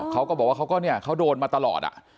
เขาก็บอกว่าเขาโดนมาตลอด